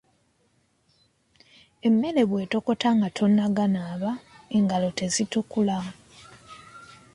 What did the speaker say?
Emmere bw’etokota nga tonnaganaaba engalo tezitukula.